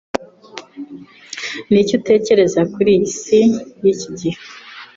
Niki utekereza kuri iyi isi y’iki gihe?